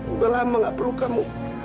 udah lama gak perlu kamu